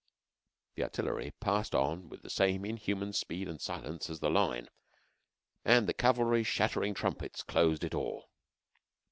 The artillery passed on with the same inhuman speed and silence as the Line; and the Cavalry's shattering trumpets closed it all.